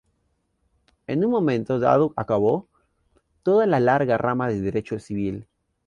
En un momento dado acabó toda la larga rama de derecho civil.